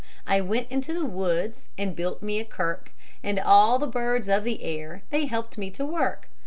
I went into the woods and built me a kirk, And all the birds of the air, they helped me to work.